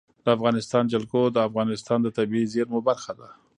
د افغانستان جلکو د افغانستان د طبیعي زیرمو برخه ده.